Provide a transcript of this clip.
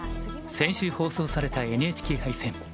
先週放送されたＮＨＫ杯戦。